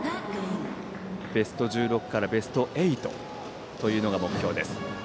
ベスト１６からベスト８が目標です。